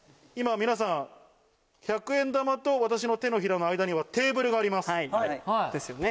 皆さん１００円玉と私の手のひらの間にはテーブルがあります。ですよね？